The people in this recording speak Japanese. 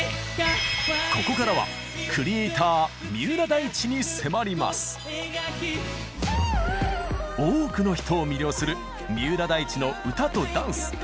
ここからは多くの人を魅了する三浦大知の歌とダンス。